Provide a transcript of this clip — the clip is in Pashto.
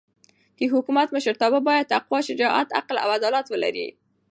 د حکومت مشرتابه باید تقوا، شجاعت، عقل او عدالت ولري.